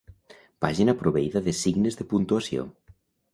Pàgina proveïda de signes de puntuació.